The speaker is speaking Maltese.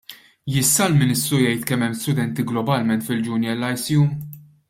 Jista' l-Ministru jgħid kemm hemm studenti globalment fil-Junior Lyceum?